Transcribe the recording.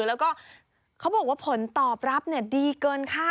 แล้วก็เขาบอกว่าผลตอบรับดีเกินค่า